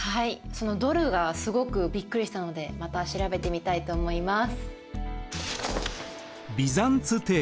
そのドルがすごくびっくりしたのでまた調べてみたいと思います。